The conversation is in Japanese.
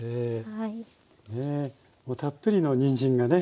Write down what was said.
たっぷりのにんじんがね